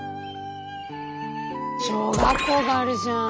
小学校があるじゃん。